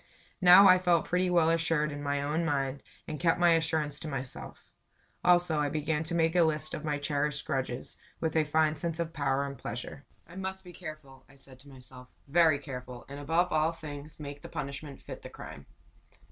Now I felt pretty well assured in my own mind, and kept my assurance to my self. Also I began to make a list of my cherished grudges, with a fine sense of power and pleasure. "I must be careful," I said to myself; "very careful; and, above all things, make the punishment fit the crime."